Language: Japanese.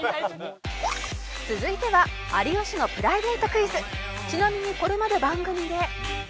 「続いては有吉のプライベートクイズ」「ちなみにこれまで番組で」